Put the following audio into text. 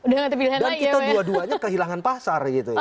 dan kita dua duanya kehilangan pasar